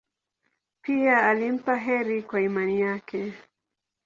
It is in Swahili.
Pia alimpa heri kwa imani yake.